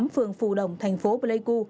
phường phù đồng thành phố pleiku